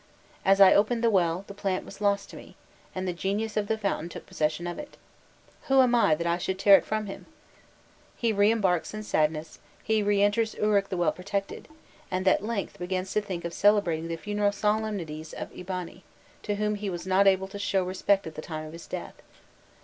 As I opened the well, the plant was lost to me, and the genius of the fountain took possession of it: who am I that I should tear it from him?'" He re embarks in sadness, he re enters Uruk the well protected, and at length begins to think of celebrating the funeral solemnities of Eabani, to whom he was not able to show respect at the time of his death.